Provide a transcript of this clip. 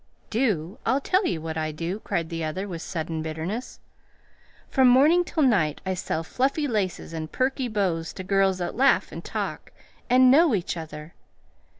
"Do? I'll tell you what I do," cried the other, with sudden bitterness. "From morning till night I sell fluffy laces and perky bows to girls that laugh and talk and KNOW each other.